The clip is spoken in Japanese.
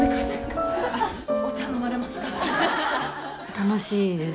楽しいです。